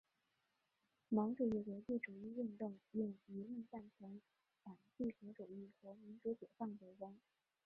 毛主义国际主义运动用舆论赞成反帝国主义和民族解放斗争。